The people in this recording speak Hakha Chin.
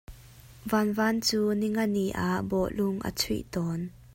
VanVan cu ninga ni ah bawlung a chuih tawn.